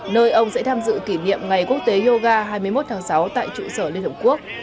nơi ông sẽ tham dự kỷ niệm ngày quốc tế yoga hai mươi một tháng sáu tại trụ sở liên hợp quốc